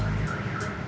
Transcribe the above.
tapi itu nggak penting